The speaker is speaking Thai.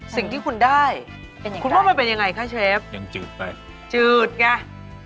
สิ่งที่คุณได้เป็นยังไงคุณว่ามันเป็นยังไงค่ะเชฟยังจืดไป